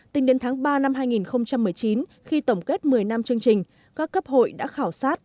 tính đến tháng ba năm hai nghìn một mươi chín khi tổng kết một mươi năm chương trình các cấp hội đã khảo sát